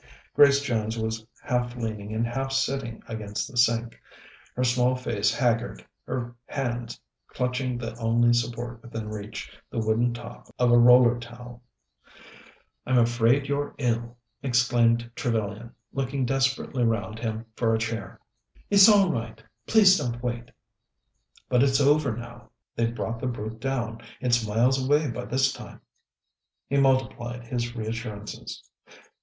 Grace Jones was half leaning and half sitting against the sink, her small face haggard, her hands clutching the only support within reach, the wooden top of a roller towel. "I'm afraid you're ill," exclaimed Trevellyan, looking desperately round him for a chair. "It's all right; please don't wait." "But it's over now. They brought the brute down. It's miles away by this time." He multiplied his reassurances.